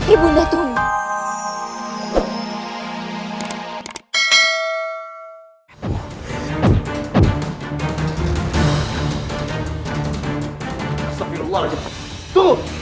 ibu nda tunjuk